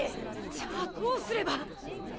じゃあどうすれば！？